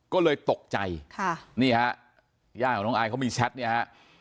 ก็เลยตกใจค่ะนี่ฮะย่าของน้องอายเขามีแชทเนี่ยฮะ